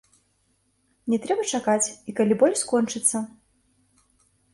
Не трэба чакаць, і калі боль скончыцца.